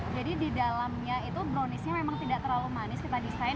jadi di dalamnya itu browniesnya memang tidak terlalu manis kita desain